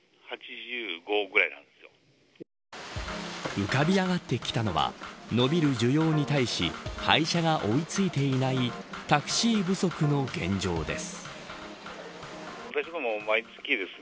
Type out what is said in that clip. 浮かび上がってきたのは伸びる需要に対し配車が追いついていないタクシー不足の現状です。